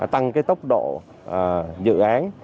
tăng tốc độ dự án